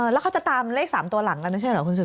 แล้วเขาจะตามเลข๓ตัวหลังกันใช่หรือครับคุณศูนย์